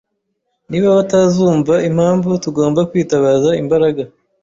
Niba batazumva impamvu, tugomba kwitabaza imbaraga.